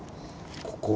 ここ。